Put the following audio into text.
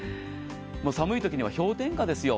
寒いときには氷点下ですよ。